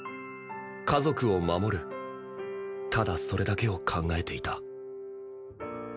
家族を守るただそれだけを考えていた